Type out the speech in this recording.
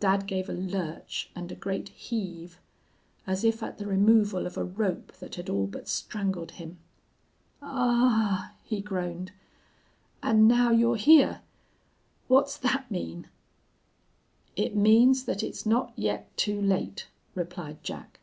Dad gave a lurch, and a great heave, as if at the removal of a rope that had all but strangled him. "Ahuh huh!' he groaned. 'An' now you're hyar what's thet mean?' "It means that it's not yet too late,' replied Jack.